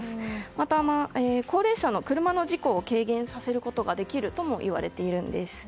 また、高齢者の車の事故を軽減させることができるとも言われています。